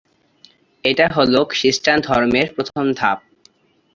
এটা হলো খ্রিস্টান ধর্মের প্রথম ধাপ।